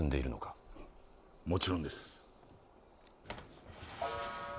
もちろんです。